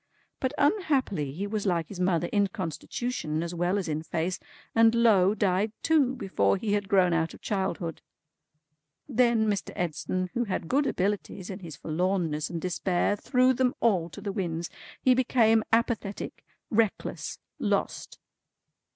But unhappily he was like his mother in constitution as well as in face, and lo, died too before he had grown out of childhood. Then Mr. Edson, who had good abilities, in his forlornness and despair, threw them all to the winds. He became apathetic, reckless, lost.